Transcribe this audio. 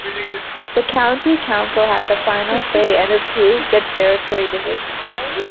The County Council had the final say and approved the territory divisions.